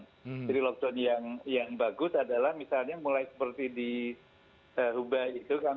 jadi lockdown yang bagus adalah misalnya mulai seperti di huba itu kan